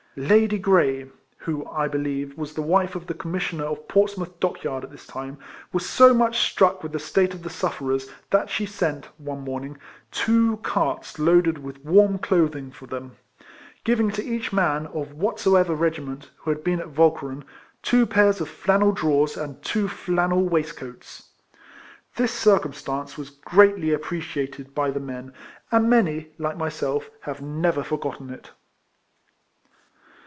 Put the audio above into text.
Lady Grey, who, I believe, was the wife of the Commissioner of Portsmouth Dockyard at this time, was so much struck with the state of the suffer ers, that she sent, one morning, two carts loaded with warm clothing for them ; giving to each man, of whatsoever regiment, who had been at Walcheren, two pairs of flannel drawers and two flannel waistcoats. This circumstance was greatly appreciated by the 268 RECOLLECTIONS OF men, and many, like myself, have never for gotten it.